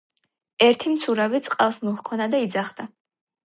ერთი მცურავი წყალს მოჰქონდა და იძახდა